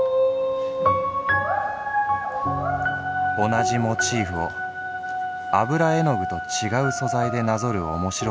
「同じモチーフを油絵具と違う素材でなぞる面白さは格別。